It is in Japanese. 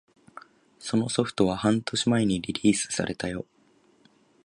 そのソフトは半年前にリリースされたよ